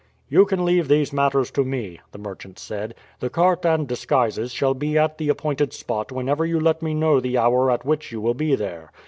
"You can leave these matters to me," the merchant said; "the cart and disguises shall be at the appointed spot whenever you let me know the hour at which you will be there.